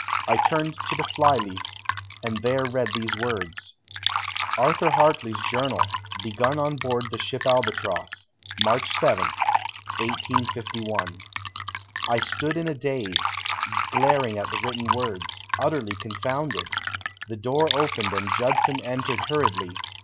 I turned to the fly leaf and there read these words: "Arthur Hartley's journal. Begun on board the ship Albatross, March 7, 1851." I stood in a daze, glaring at the written words, utterly confounded. The door opened and Judson entered hurriedly.